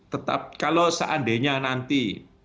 tetap kalau seandainya nanti